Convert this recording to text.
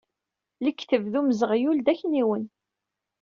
Lekdeb d umzeɣyul d akniwen.